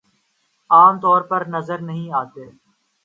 عام طور پر نظر نہیں آتے